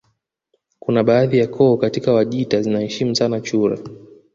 Kuna baadhi ya koo katika Wajita zinaheshimu sana chura